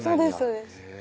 そうです